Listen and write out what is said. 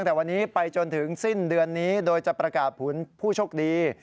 แต่วันนี้ไปจนถึงสิ้นเดือนนี้โดยจะประกาศผลผู้โชคดี